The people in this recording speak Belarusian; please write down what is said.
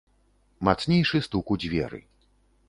Мацнейшы стук у дзверы.